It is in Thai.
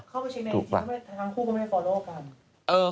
เข้าไปชิงในจริงทั้งคู่ก็ไม่ฟอลโลกัน